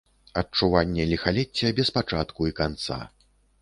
Адчуванне ліхалецця, без пачатку і канца.